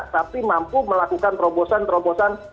tapi mampu melakukan terobosan terobosan